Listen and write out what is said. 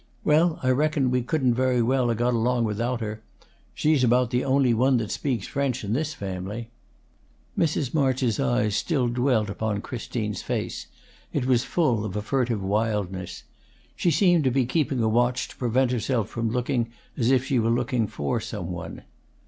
Well, I reckon we couldn't very well 'a' got along without her. She's about the only one that speaks French in this family." Mrs. March's eyes still dwelt upon Christine's face; it was full of a furtive wildness. She seemed to be keeping a watch to prevent herself from looking as if she were looking for some one.